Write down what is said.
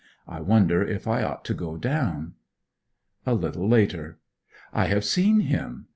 I wonder if I ought to go down. A little later. I have seen him!